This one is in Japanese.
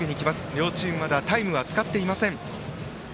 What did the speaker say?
両チームまだタイムは使っていません。